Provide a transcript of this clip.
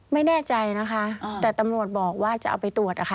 ไม่แน่ใจนะคะแต่ตำรวจบอกว่าจะเอาไปตรวจอะค่ะ